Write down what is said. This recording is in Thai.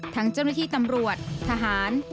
ทั้งเจ้าหน้าที่ตำรวจทหาร